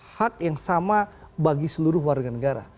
hak yang sama bagi seluruh warga negara